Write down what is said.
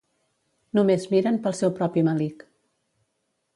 Només miren pel seu propi melic